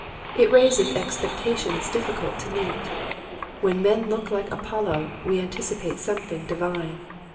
It raises expectations difficult to meet. When men look Hke Apollo we anticipate something divine.